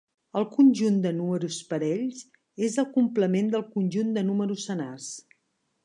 El conjunt de números parells és el complement del conjunt de números senars.